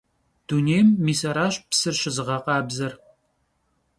Dunêym mis araş psır şızığekhabzer.